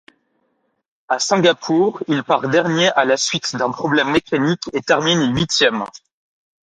À Singapour, il part dernier à la suite d'un problème mécanique et termine huitième.